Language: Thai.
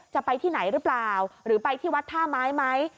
จะไปที่ไหนหรือเปล่าหรือไปที่วัดท่าไม้ไหม